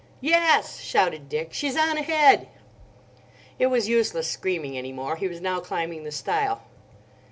"Yes!" shouted Dick. "She's on ahead." It was useless screaming any more. He was now climbing the stile.